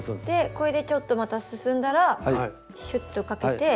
これでちょっとまた進んだらシュッとかけて。